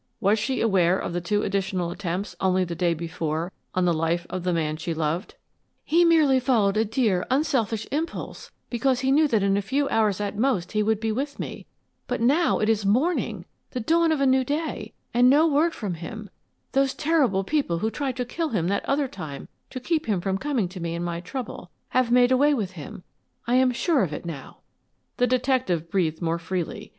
Was she aware of the two additional attempts only the day before on the life of the man she loved? "He merely followed a dear, unselfish impulse because he knew that in a few hours at most he would be with me; but now it is morning! The dawn of a new day, and no word from him! Those terrible people who tried to kill him that other time to keep him from coming to me in my trouble have made away with him. I am sure of it now." The detective breathed more freely.